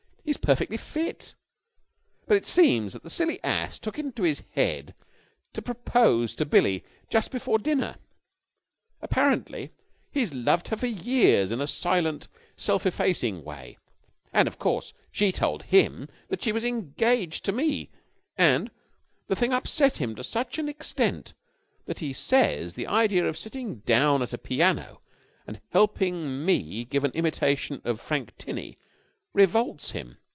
He's perfectly fit. But it seems that the silly ass took it into his head to propose to Billie just before dinner apparently he's loved her for years in a silent, self effacing way and of course she told him that she was engaged to me, and the thing upset him to such an extent that he says the idea of sitting down at a piano and helping me give an imitation of Frank Tinney revolts him.